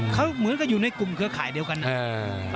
เขาเหมือนกับอยู่ในกลุ่มเครือข่ายเดียวกัน